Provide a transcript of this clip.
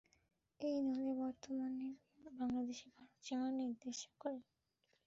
এই নদী বর্তমানে বাংলাদেশ-ভারতের সীমা নির্দেশ করেছে।